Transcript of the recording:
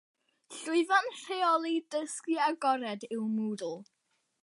Llwyfan rheoli dysgu agored yw Moodle.